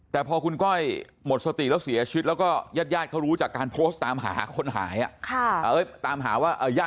แต่พอคุณก้อยหมดสติแล้วเสียชีวิตแล้วก็ญาติเขารู้จากการโพสต์ตามหาคนหาย